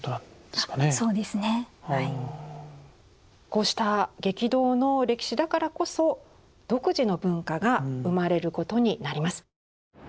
こうした激動の歴史だからこそ独自の文化が生まれることになります。